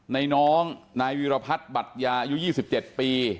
น้องนายวิรพัฒน์บัตยาอายุ๒๗ปี